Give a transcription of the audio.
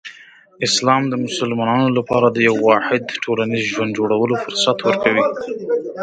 اسلام د مسلمانانو لپاره د یو واحد ټولنیز ژوند جوړولو فرصت ورکوي.